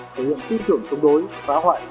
thực hiện tiêu chuẩn công đối phá hoại